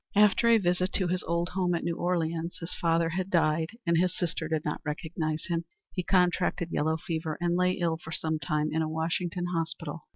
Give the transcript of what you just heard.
After a visit to his old home at New Orleans, his father had died, and his sister did not recognize him, he contracted yellow fever, and lay ill for some time in a Washington hospital.